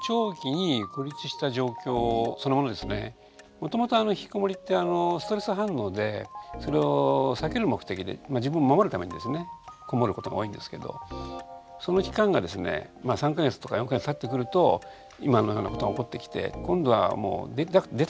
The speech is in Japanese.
もともとひきこもりってストレス反応でそれを避ける目的で自分を守るためにですねこもることが多いんですけどその期間がですね３か月とか４か月たってくると今のようなことが起こってきて今度は出たくても出れないと。